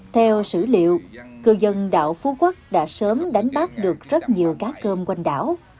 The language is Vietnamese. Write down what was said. theo sử liệu cư dân đảo phú quốc đã sớm đánh bắt được rất nhiều cá cơm quanh đảo